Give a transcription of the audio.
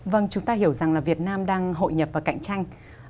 vâng chúng ta hiểu rằng là việt nam đang hội nhập và cạnh tranh